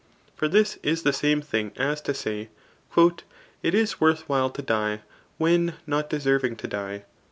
For this is the same thing as to say, *^ It is worth while to die, when not deserving to die."